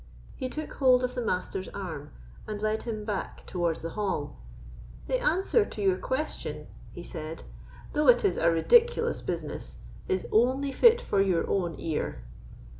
He took hold of the Master's arm, and led him back towards the hall. "The answer to your question," he said, "though it is a ridiculous business, is only fit for your own ear."